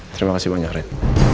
terima kasih banyak ren